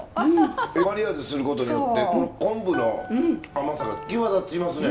マリアージュすることによって昆布の甘さが際立ちますね。